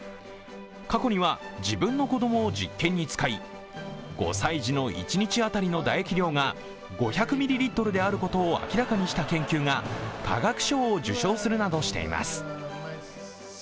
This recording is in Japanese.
過去には自分の子供を実験に使い５歳児の一日当たりの唾液量が５００ミリリットルであることを明らかにした研究が化学賞を受賞するなどしています。